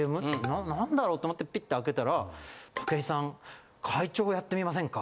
なんだろう？と思ってピッ！って開けたら「武井さん会長やってみませんか？」